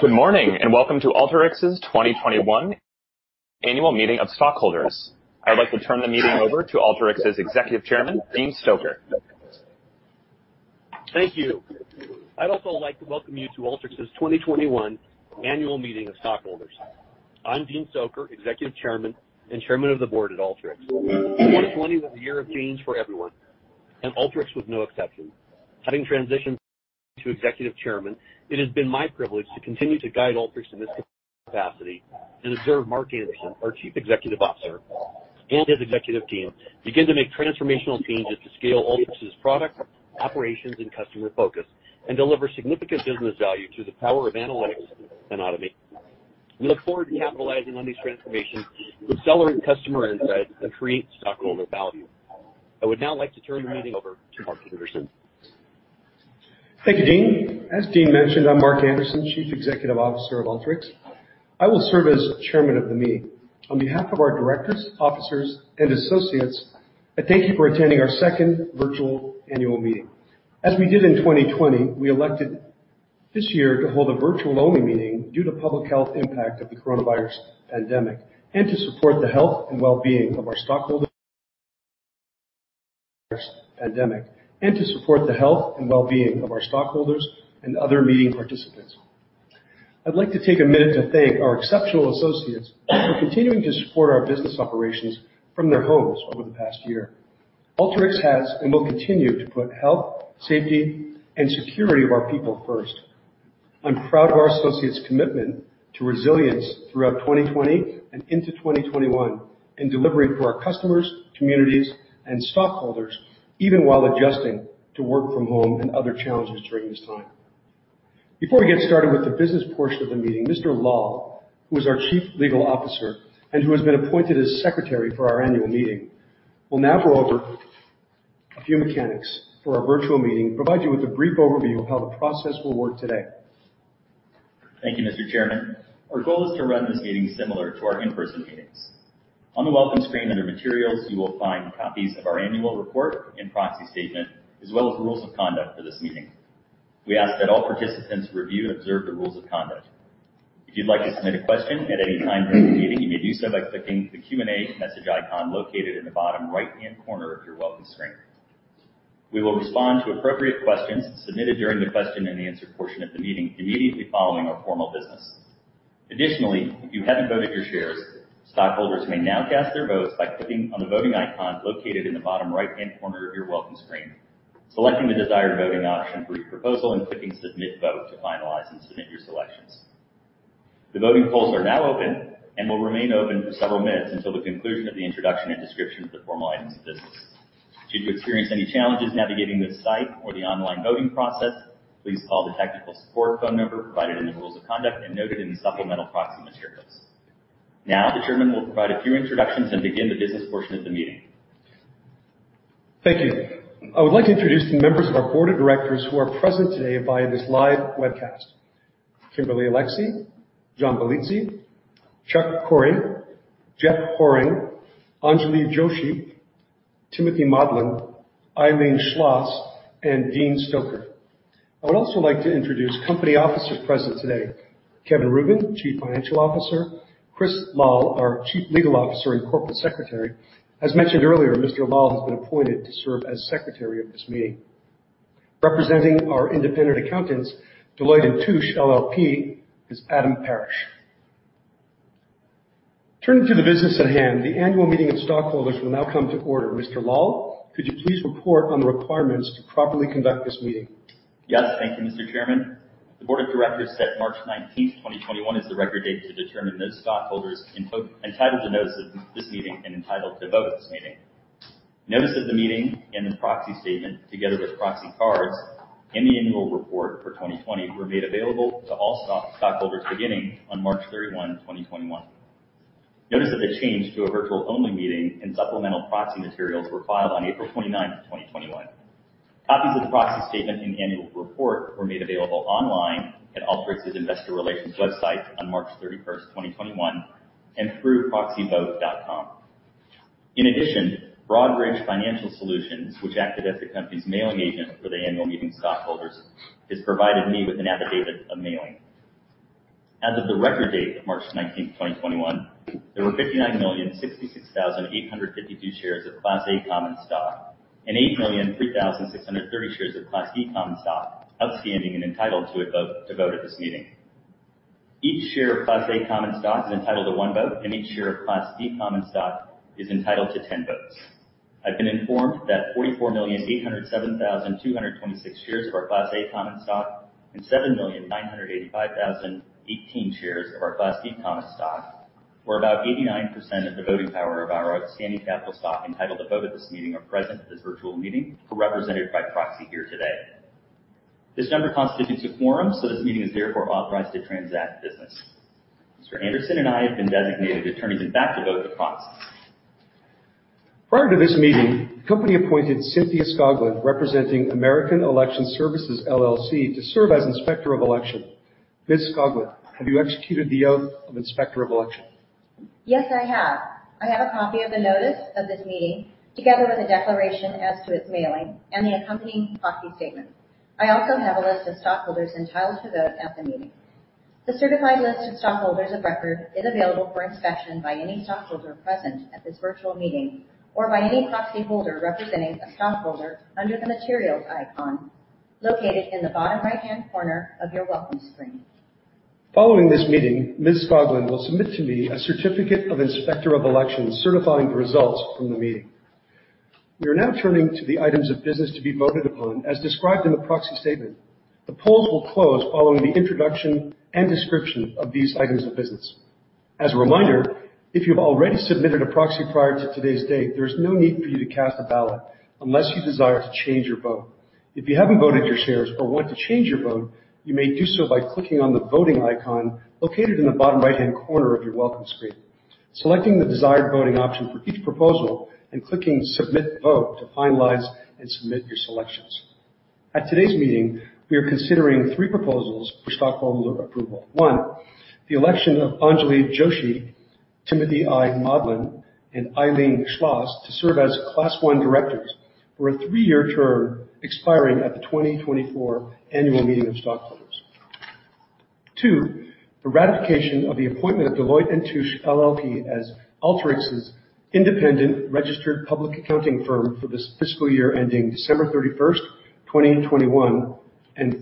Good morning. Welcome to Alteryx's 2021 annual meeting of stockholders. I'd like to turn the meeting over to Alteryx's Executive Chairman, Dean Stoecker. Thank you. I'd also like to welcome you to Alteryx's 2021 annual meeting of stockholders. I'm Dean Stoecker, Executive Chairman and Chairman of the Board at Alteryx. 2020 was a year of change for everyone, and Alteryx was no exception. Having transitioned to Executive Chairman, it has been my privilege to continue to guide Alteryx in this capacity and observe Mark Anderson, our Chief Executive Officer, and his executive team begin to make transformational changes to scale Alteryx's product, operations, and customer focus, and deliver significant business value to the power of analytics and automation. We look forward to capitalizing on these transformations to accelerate customer insight and create stockholder value. I would now like to turn the meeting over to Mark Anderson. Thank you, Dean. As Dean mentioned, I'm Mark Anderson, Chief Executive Officer of Alteryx. I will serve as Chairman of the meeting. On behalf of our directors, officers, and associates, I thank you for attending our second virtual annual meeting. As we did in 2020, we elected this year to hold a virtual-only meeting due to public health impact of the coronavirus pandemic and to support the health and wellbeing of our stockholders and other meeting participants. I'd like to take a minute to thank our exceptional associates for continuing to support our business operations from their homes over the past year. Alteryx has, and will continue to, put health, safety, and security of our people first. I'm proud of our associates' commitment to resilience throughout 2020 and into 2021 in delivering for our customers, communities, and stockholders, even while adjusting to work from home and other challenges during this time. Before we get started with the business portion of the meeting, Mr. Lal, who is our Chief Legal Officer and who has been appointed as Secretary for our annual meeting, will now go over a few mechanics for our virtual meeting and provide you with a brief overview of how the process will work today. Thank you, Mr. Chairman. Our goal is to run this meeting similar to our in-person meetings. On the welcome screen under Materials, you will find copies of our annual report and proxy statement, as well as rules of conduct for this meeting. We ask that all participants review and observe the rules of conduct. If you'd like to submit a question at any time during the meeting, you may do so by clicking the Q&A message icon located in the bottom right-hand corner of your welcome screen. We will respond to appropriate questions submitted during the question and answer portion of the meeting immediately following our formal business. Additionally, if you haven't voted your shares, stockholders may now cast their votes by clicking on the voting icon located in the bottom right-hand corner of your welcome screen, selecting the desired voting option for each proposal, and clicking Submit Vote to finalize and submit your selections. The voting polls are now open and will remain open for several minutes until the conclusion of the introduction and description of the formal items of business. Should you experience any challenges navigating this site or the online voting process, please call the technical support phone number provided in the rules of conduct and noted in the supplemental proxy materials. Now, the chairman will provide a few introductions and begin the business portion of the meeting. Thank you. I would like to introduce the members of our board of directors who are present today via this live webcast. Kimberly Alexy, John Bellizzi, Charles Cory, Jeff Horing, Anjali Joshi, Timothy Maudlin, Eileen Schloss, and Dean Stoecker. I would also like to introduce company officers present today. Kevin Rubin, Chief Financial Officer, Chris Lal, our Chief Legal Officer and Corporate Secretary. As mentioned earlier, Mr. Lal has been appointed to serve as Secretary of this meeting. Representing our independent accountants, Deloitte & Touche LLP, is Adam Parrish. Turning to the business at hand, the annual meeting of stockholders will now come to order. Mr. Lal, could you please report on the requirements to properly conduct this meeting? Yes. Thank you, Mr. Chairman. The board of directors set March 19th, 2021, as the record date to determine those stockholders entitled to notice of this meeting and entitled to vote at this meeting. Notice of the meeting and the proxy statement, together with proxy cards and the annual report for 2020, were made available to all stockholders beginning on March 31, 2021. Notice of the change to a virtual-only meeting and supplemental proxy materials were filed on April 29th, 2021. Copies of the proxy statement and annual report were made available online at Alteryx's investor relations website on March 31st, 2021, and through proxyvote.com. In addition, Broadridge Financial Solutions, which acted as the company's mailing agent for the annual meeting of stockholders, has provided me with an affidavit of mailing. As of the record date of March 19th, 2021, there were 59,066,852 shares of Class A common stock and 8,003,630 shares of Class B common stock outstanding and entitled to vote at this meeting. Each share of Class A common stock is entitled to one vote, and each share of Class B common stock is entitled to 10 votes. I've been informed that 44,807,226 shares of our Class A common stock and 7,985,018 shares of our Class B common stock, or about 89% of the voting power of our outstanding capital stock entitled to vote at this meeting, are present at this virtual meeting or represented by proxy here today. This number constitutes a quorum, so this meeting is therefore authorized to transact business. Mr. Anderson and I have been designated attorneys-in-fact to vote the proxy. Prior to this meeting, the company appointed Cynthia Skoglund, representing American Election Services, LLC, to serve as Inspector of Election. Ms. Skoglund, have you executed the oath of Inspector of Election? Yes, I have. I have a copy of the notice of this meeting, together with a declaration as to its mailing and the accompanying proxy statement. I also have a list of stockholders entitled to vote at the meeting. The certified list of stockholders of record is available for inspection by any stockholder present at this virtual meeting or by any proxy holder representing a stockholder under the materials icon located in the bottom right-hand corner of your welcome screen. Following this meeting, Ms. Skoglund will submit to me a certificate of inspector of elections certifying the results from the meeting. We are now turning to the items of business to be voted upon as described in the proxy statement. The polls will close following the introduction and description of these items of business. As a reminder, if you've already submitted a proxy prior to today's date, there's no need for you to cast a ballot unless you desire to change your vote. If you haven't voted your shares or want to change your vote, you may do so by clicking on the voting icon located in the bottom right-hand corner of your welcome screen, selecting the desired voting option for each proposal and clicking submit vote to finalize and submit your selections. At today's meeting, we are considering three proposals for stockholder approval. One, the election of Anjali Joshi, Timothy I. Maudlin, and Eileen Schloss to serve as Class I directors for a three-year term expiring at the 2024 annual meeting of stockholders. Two, the ratification of the appointment of Deloitte & Touche LLP as Alteryx's independent registered public accounting firm for this fiscal year ending December 31st, 2021.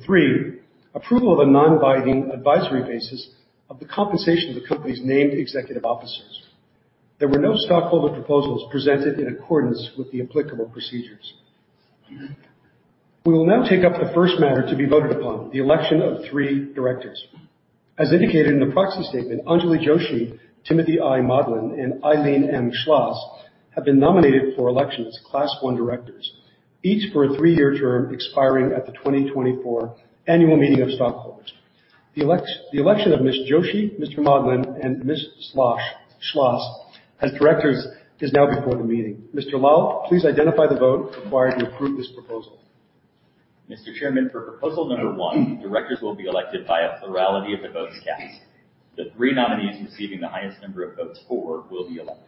Three, approval of a non-binding advisory basis of the compensation of the company's named executive officers. There were no stockholder proposals presented in accordance with the applicable procedures. We will now take up the first matter to be voted upon, the election of three directors. As indicated in the proxy statement, Anjali Joshi, Timothy I. Maudlin, and Eileen M. Schloss have been nominated for election as Class I directors, each for a three-year term expiring at the 2024 annual meeting of stockholders. The election of Ms. Joshi, Mr. Maudlin, and Ms. Schloss as directors is now before the meeting. Mr. Lal, please identify the vote required to approve this proposal. Mr. Chairman, for proposal number 1, directors will be elected by a plurality of the votes cast. The three nominees receiving the highest number of votes for will be elected.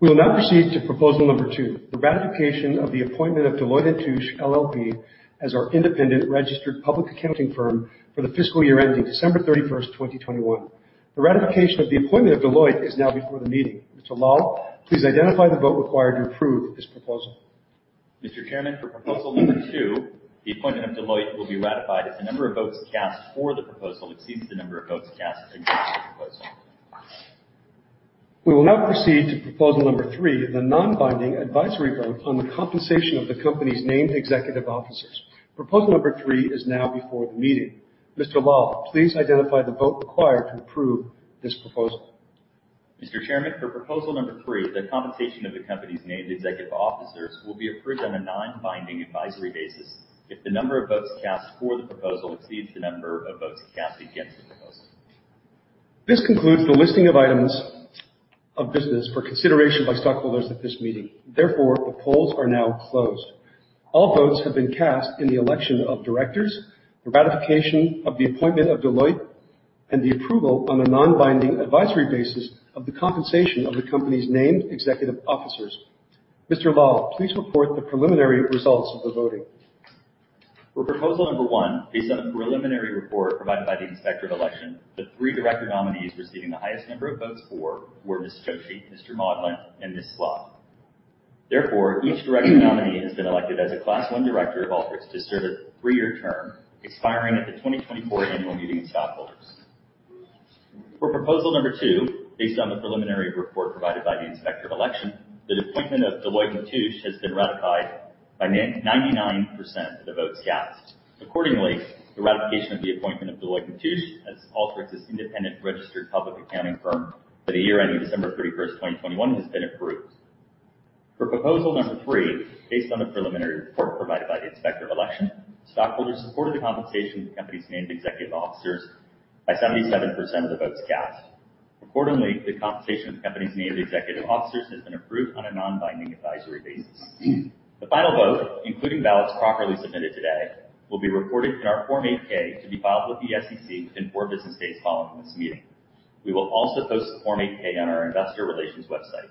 We will now proceed to proposal number two, the ratification of the appointment of Deloitte & Touche LLP as our independent registered public accounting firm for the fiscal year ending December 31st, 2021. The ratification of the appointment of Deloitte is now before the meeting. Mr. Lal, please identify the vote required to approve this proposal. Mr. Chairman, for proposal number two, the appointment of Deloitte will be ratified if the number of votes cast for the proposal exceeds the number of votes cast against the proposal. We will now proceed to proposal number three, the non-binding advisory vote on the compensation of the company's named executive officers. Proposal number three is now before the meeting. Mr. Lal, please identify the vote required to approve this proposal. Mr. Chairman, for proposal number three, the compensation of the company's named executive officers will be approved on a non-binding advisory basis if the number of votes cast for the proposal exceeds the number of votes cast against the proposal. This concludes the listing of items of business for consideration by stockholders at this meeting. The polls are now closed. All votes have been cast in the election of directors, the ratification of the appointment of Deloitte, and the approval on a non-binding advisory basis of the compensation of the company's named executive officers. Mr. Lal, please report the preliminary results of the voting. For proposal number one, based on the preliminary report provided by the Inspector of Election, the three director nominees receiving the highest number of votes for were Ms. Joshi, Mr. Maudlin, and Ms. Schloss. Each director nominee has been elected as a Class I director of Alteryx to serve a three-year term expiring at the 2024 annual meeting of stockholders. For proposal number two, based on the preliminary report provided by the Inspector of Election, the appointment of Deloitte & Touche has been ratified by 99% of the votes cast. The ratification of the appointment of Deloitte & Touche as Alteryx's independent registered public accounting firm for the year ending December 31st, 2021 has been approved. For proposal number three, based on the preliminary report provided by the Inspector of Election, stockholders supported the compensation of the company's named executive officers by 77% of the votes cast. Accordingly, the compensation of the company's named executive officers has been approved on a non-binding advisory basis. The final vote, including ballots properly submitted today, will be recorded in our Form 8-K to be filed with the SEC within four business days following this meeting. We will also post the Form 8-K on our investor relations website.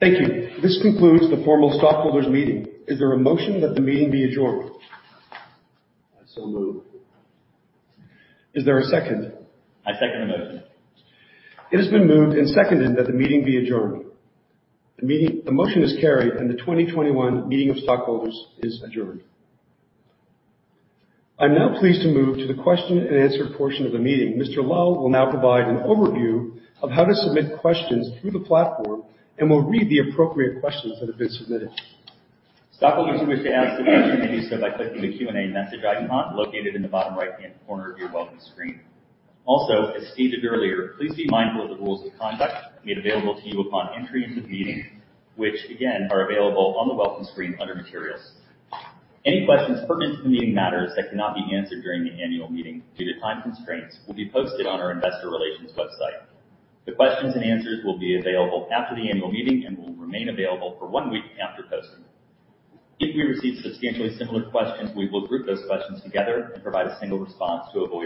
Thank you. This concludes the formal stockholders meeting. Is there a motion that the meeting be adjourned? I so move. Is there a second? I second the motion. It has been moved and seconded that the meeting be adjourned. The motion is carried and the 2021 meeting of stockholders is adjourned. I'm now pleased to move to the question and answer portion of the meeting. Mr. Lal will now provide an overview of how to submit questions through the platform and will read the appropriate questions that have been submitted. Stockholders who wish to ask a question may do so by clicking the Q&A message icon located in the bottom right-hand corner of your welcome screen. Also, as stated earlier, please be mindful of the rules of conduct made available to you upon entry into the meeting, which again, are available on the welcome screen under materials. Any questions pertinent to the meeting matters that cannot be answered during the annual meeting due to time constraints will be posted on our investor relations website. The questions and answers will be available after the annual meeting and will remain available for one week after posting. If we receive substantially similar questions, we will group those questions together and provide a single response to avoid.